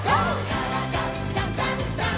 「からだダンダンダン」